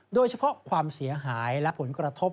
โดยเฉพาะความเสียหายและผลกระทบ